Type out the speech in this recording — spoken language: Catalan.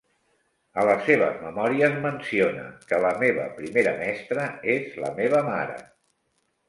A les seves memòries menciona que "la meva primera mestra és la meva mare".